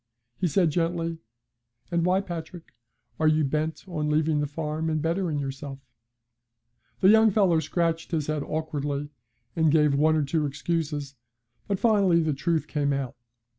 He said, gently: 'And why, Patrick, are you bent on leaving the farm and bettering yourself?' The young fellow scratched his head awkwardly, and gave one or two excuses, but finally the truth came out.